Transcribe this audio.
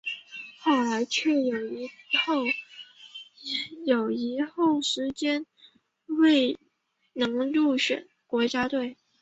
后来却有一后时间未能入选国家队。